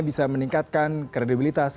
bisa meningkatkan kredibilitas